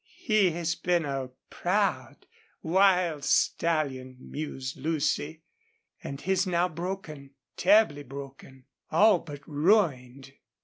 "He has been a proud, wild stallion," mused Lucy. "And he's now broken terribly broken all but ruined."